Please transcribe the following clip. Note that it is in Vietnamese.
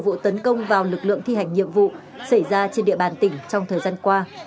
vụ tấn công vào lực lượng thi hành nhiệm vụ xảy ra trên địa bàn tỉnh trong thời gian qua